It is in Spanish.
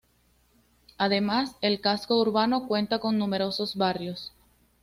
Además el casco urbano cuenta con numerosos barrios.